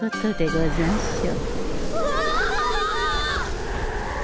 うわ！